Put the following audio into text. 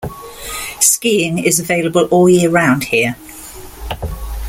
Skiing is available all year round here.